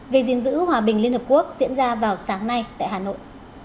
về gìn giữ hòa bình liên hợp quốc diễn ra vào sáng nay tại hà nội